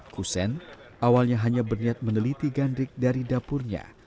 kusen awalnya hanya berniat meneliti gandrik dari dapurnya